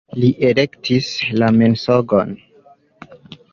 Li elektis la mensogon.